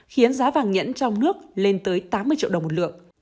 khiến giá vàng nhẫn trong nước lên tới tám mươi triệu đồng một lượng